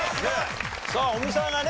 さあ尾美さんがね